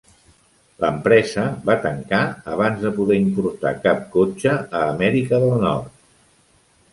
L'empresa va tancar abans de poder importar cap cotxe a Amèrica del Nord.